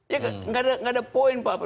ya nggak ada poin pak apa